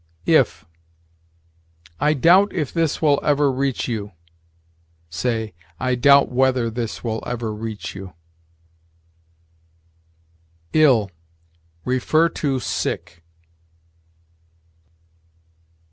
IF. "I doubt if this will ever reach you": say, "I doubt whether this will ever reach you." ILL. See SICK.